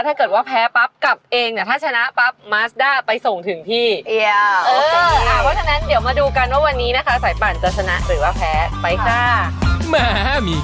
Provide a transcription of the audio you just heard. ถ้าเกิดว่าแพ้ปั๊บกลับเองเนี่ย